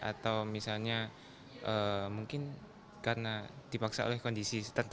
atau misalnya mungkin karena dipaksa oleh kondisi tertentu